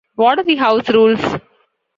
What are the house rules?